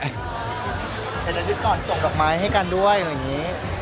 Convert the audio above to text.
แต่จะรึกก่อนตกดอกไม้ให้กันด้วยแบบนี้